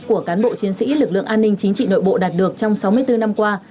của cán bộ chiến sĩ lực lượng an ninh chính trị nội bộ đạt được trong sáu mươi bốn năm qua